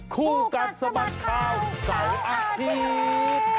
คู่กัดสบัดข่าว๓อาทิตย์